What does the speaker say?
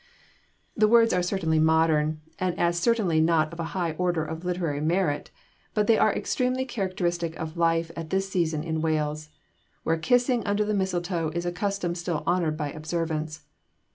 The words are certainly modern, and as certainly not of a high order of literary merit, but they are extremely characteristic of life at this season in Wales, where kissing under the mistletoe is a custom still honoured by observance.